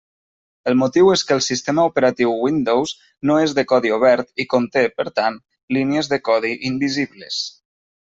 El motiu és que el sistema operatiu Windows no és de codi obert i conté, per tant, línies de codi invisibles.